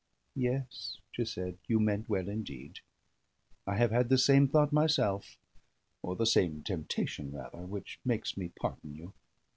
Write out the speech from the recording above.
"Yes," she said, "you meant well indeed. I have had the same thought myself, or the same temptation rather, which makes me pardon you.